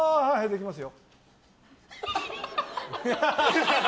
できますよ。